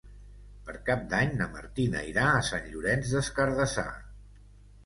Per Cap d'Any na Martina irà a Sant Llorenç des Cardassar.